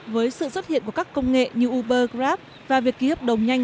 với sự xuất hiện của các công nghệ như uber grab và việc ký hợp đồng nhanh